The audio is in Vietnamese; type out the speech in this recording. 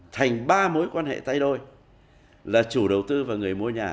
thành ba mối quan hệ tay đôi là chủ đầu tư và người mua nhà